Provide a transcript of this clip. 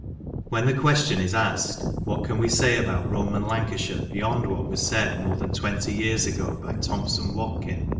When the question is asked, What can we say about Roman Lancashire beyond what was said more than twenty years ago by Thompson Watkin